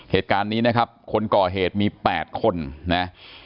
เหตุการณ์นี้นะครับคนก่อเหตุมี๘คนนะ